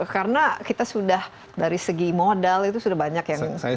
karena kita sudah dari segi modal itu sudah banyak yang keluar